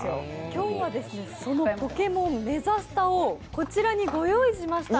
今日はその「ポケモンメザスタ」をこちらにご用意しました。